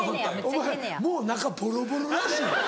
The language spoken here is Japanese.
お前もう中ボロボロらしい。